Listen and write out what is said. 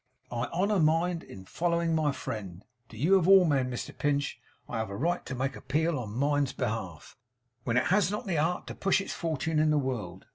I honour Mind in following my friend. To you of all men, Mr Pinch, I have a right to make appeal on Mind's behalf, when it has not the art to push its fortune in the world.